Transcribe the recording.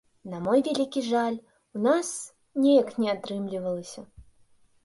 На мой вялікі жаль, у нас неяк не атрымлівалася.